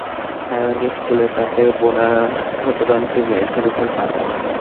নারায়ণী স্কুলের তাঁতে-বোনা শতরঞ্চ মেঝের উপর পাতা।